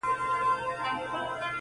زه مي د شرف له دایرې وتلای نه سمه,